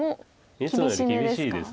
いつもより厳しいです。